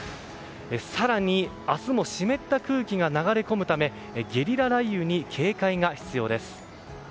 更に明日も湿った空気が流れ込むためゲリラ雷雨に警戒が必要です。